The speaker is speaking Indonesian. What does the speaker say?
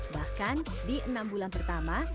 bahkan di enam bulan pertama